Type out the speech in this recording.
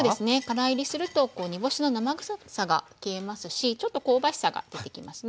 から煎りすると煮干しの生臭さが消えますしちょっと香ばしさが出てきますね。